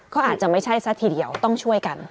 ก็อาจจะไม่ใช่ซะทีเดียวต้องช่วยกัน